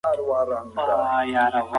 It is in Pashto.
ښځې د حیض پر مهال ځینې وخت خپه کېږي.